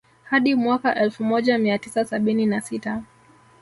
Hadi mwaka elfu moja mia tisa sabini na sita